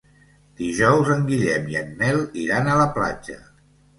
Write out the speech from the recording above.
Dijous en Guillem i en Nel iran a la platja.